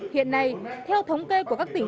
hiện nay theo thống kê của các tỉnh